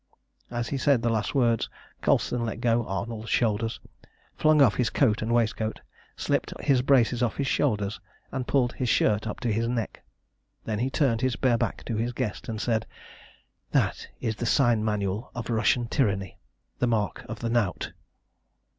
As he said the last words, Colston let go Arnold's shoulders, flung off his coat and waistcoat, slipped his braces off his shoulders, and pulled his shirt up to his neck. Then he turned his bare back to his guest, and said "That is the sign manual of Russian tyranny the mark of the knout!"